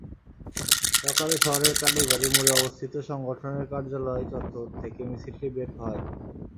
সকালে শহরের কালীবাড়ি মোড়ে অবস্থিত সংগঠনের কার্যালয় চত্বর থেকে মিছিলটি বের হয়।